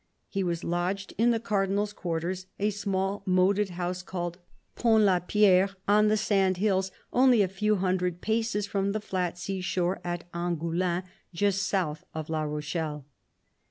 He was lodged in the Cardinal's quarters, a small moated house called Pont la Pierre, on the sand hills, only a hundred paces from the flat sea shore at Angoulins, just south of La Rochelle.